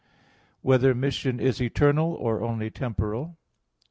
(2) Whether mission is eternal, or only temporal?